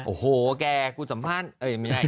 โอ้โหแกกูสัมภาษณ์เอ่ยไม่ใช่